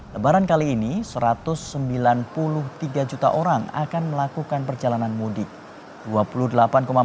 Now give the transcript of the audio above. lebaran kali ini satu ratus sembilan puluh tiga juta orang akan melakukan perjalanan mudik